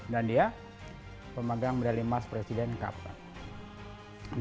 dan dia pemagang medali mas presiden kapal